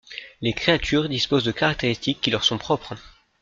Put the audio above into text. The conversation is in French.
Les créatures disposent de caractéristiques qui leur sont propres.